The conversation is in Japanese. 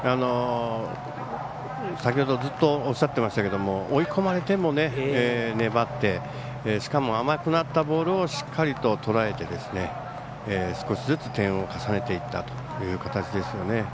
先ほど、ずっとおっしゃっていましたが追い込まれても粘ってしかも甘くなったボールをしっかりととらえて少しずつ、点を重ねていったという形ですよね。